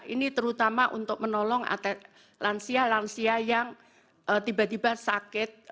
ini terutama untuk menolong lansia lansia yang tiba tiba sakit